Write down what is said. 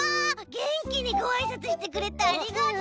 げんきにごあいさつしてくれてありがとう！